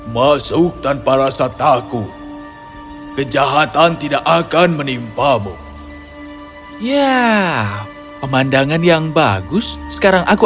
masuk tanpa rasa takut kejahatan tidak akan menimpamu ya pemandangan yang bagus sekarang aku